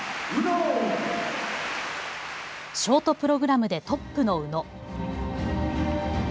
ショートプログラムでトップの宇野。